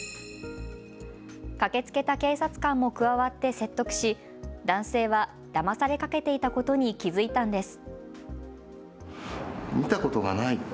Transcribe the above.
駆けつけた警察官も加わって説得し、男性はだまされかけていたことに気付いたんです。